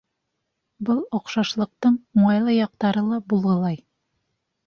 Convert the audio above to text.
Был оҡшашлыҡтың уңайлы яҡтары ла булғылай...